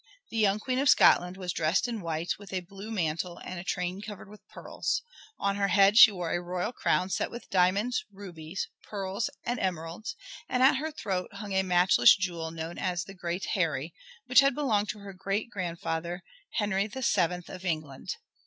The young Queen of Scotland was dressed in white, with a blue mantle and a train covered with pearls. On her head she wore a royal crown set with diamonds, rubies, pearls, and emeralds, and at her throat hung a matchless jewel known as "the Great Harry," which had belonged to her great grandfather, Henry VII of England.